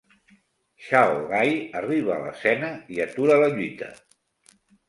Chao Gai arriba a l'escena i atura la lluita.